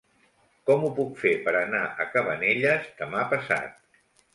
Com ho puc fer per anar a Cabanelles demà passat?